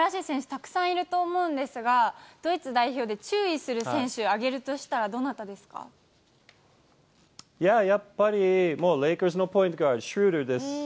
たくさんいると思うんですが、ドイツ代表で注意する選手、やっぱり、もうレイカーズのポイントガード、シュルーダーです。